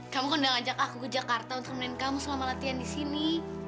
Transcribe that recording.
kamu kondang ajak aku ke jakarta untuk menemani kamu selama latihan di sini